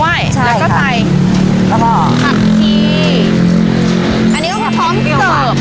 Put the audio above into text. ใช่ค่ะแล้วก็ใส่ผักที่อันนี้ก็พร้อมเสิร์ฟ